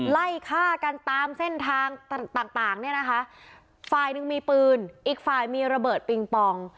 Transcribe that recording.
ไล่ฆ่ากันตามเส้นทางต่างต่างเนี่ยนะคะฝ่ายหนึ่งมีปืนอีกฝ่ายมีระเบิดปิงปอง